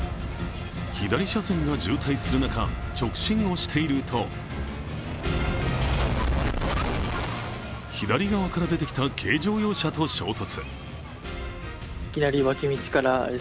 左車線が渋滞する中、直進をしていると左側から出てきた軽乗用車と衝突。